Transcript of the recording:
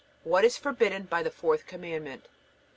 What is forbidden by the fourth Commandment?